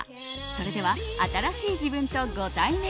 それでは新しい自分とご対面。